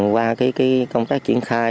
qua công tác triển khai